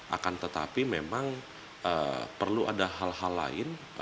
akan tetapi memang perlu ada hal hal lain